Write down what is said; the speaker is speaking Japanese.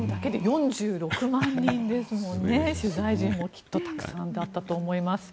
４６万人ですもんね取材陣もきっとたくさんだったと思います。